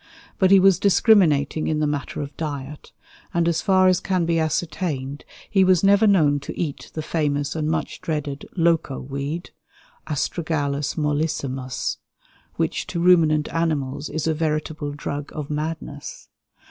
But he was discriminating in the matter of diet, and as far as can be ascertained he was never known to eat the famous and much dreaded "loco" weed (Astragalus molissimus), which to ruminant animals is a veritable drug of madness.